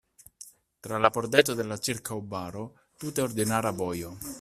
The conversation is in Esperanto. Tra la pordeto de la ĉirkaŭbaro tute ordinara vojo.